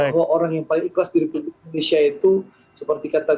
bahwa orang yang paling ikhlas di republik indonesia itu seperti kata